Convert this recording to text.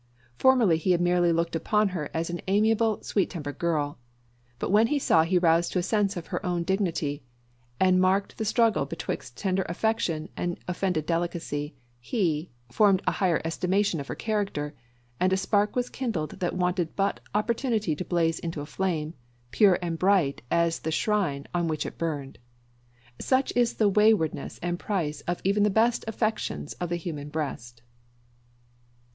Formerly he had merely looked upon her as an amiable sweet tempered girl; but when he saw he roused to a sense of her own dignity, and marked the struggle betwixt tender affection and offended delicacy he, formed a higher estimate of her character, and a spark was kindled that wanted but opportunity to blaze into a flame, pure and bright as the shrine on which it burned. Such is the waywardness and price of even the best affections of the human breast.